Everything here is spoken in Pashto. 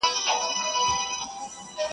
سړیتوب کي بس دولت ورته مِعیار دی,